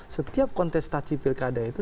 setiap kontestasi pilkada itu